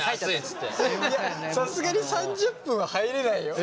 いやさすがに３０分は入れないよ。